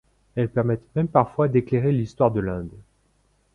Elles permettent même parfois d'éclairer l'histoire de l'Inde.